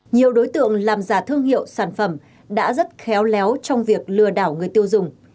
nhiều đối tượng làm giả thương hiệu sản phẩm đã rất khéo léo trong việc lừa đảo người tiêu dùng